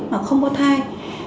mà không có thai